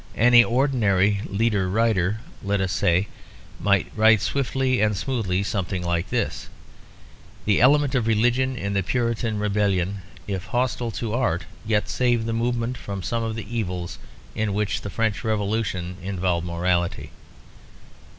Any ordinary leader writer (let us say) might write swiftly and smoothly something like this: "The element of religion in the Puritan rebellion, if hostile to art, yet saved the movement from some of the evils in which the French Revolution involved morality."